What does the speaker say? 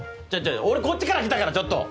俺こっちから来たからちょっと。